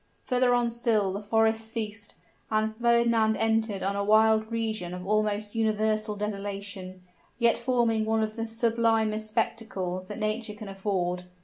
Further on still the forests ceased and Fernand entered on a wild region of almost universal desolation, yet forming one of the sublimest spectacles that nature can afford.